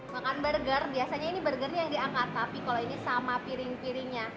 makan burger biasanya ini burgernya yang diangkat tapi kalau ini sama piring piringnya